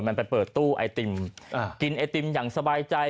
มันไปเปิดตู้ไอติมกินไอติมอย่างสบายใจ